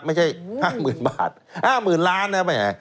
ไม่ใช่๕๐๐๐บาท๕๐๐๐ล้านนะแหม